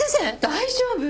大丈夫？